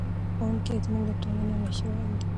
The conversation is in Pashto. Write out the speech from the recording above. ښوونکي زموږ د ټولنې مشران دي.